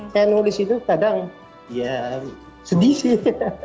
saya nulis itu kadang ya sedih sih